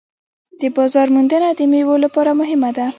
د بازار موندنه د میوو لپاره مهمه ده.